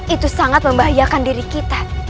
itu sangat membahayakan diri kita